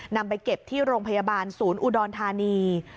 นำไปเก็บที่โรงพยาบาลศูนย์อุดรธานี